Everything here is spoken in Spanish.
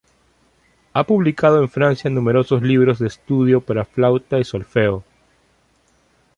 Ha publicado en Francia numerosos libros de estudio para flauta y solfeo.